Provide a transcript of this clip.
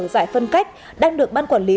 giải phân cách đang được ban quản lý